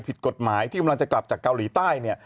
ผิดกฎหมายที่กำลังจะกลับจากเกาหลีใต้เนี่ย